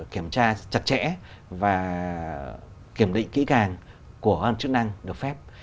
kiểm tra chặt chẽ và kiểm định kỹ càng của chức năng được phép